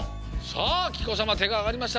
さあきこさまてがあがりました。